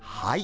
はい！